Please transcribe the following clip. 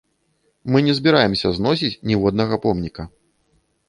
Мы не збіраемся зносіць ніводнага помніка.